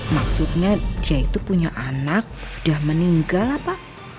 maksudnya dia itu punya anak sudah meninggal apa